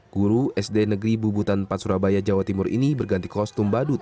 guru sd negeri bubutan empat surabaya jawa timur ini berganti kostum badut